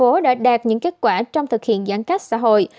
ông đã đạt những kết quả trong thực hiện giãn cách xã hội